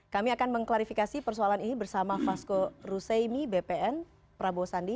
kami akan mengklarifikasi persoalan ini bersama fasko ruseimi bpn prabowo sandi